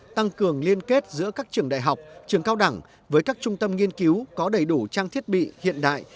tăng cường liên kết giữa các trường đại học trường cao đẳng với các trung tâm nghiên cứu có đầy đủ trang thiết bị hiện đại